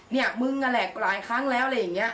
เนี่ยมึงนั่นแหละหลายครั้งแล้วอะไรอย่างนี้